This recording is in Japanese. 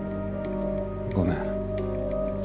ごめん。